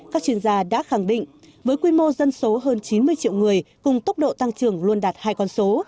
các chuyên gia đã khẳng định với quy mô dân số hơn chín mươi triệu người cùng tốc độ tăng trưởng luôn đạt hai con số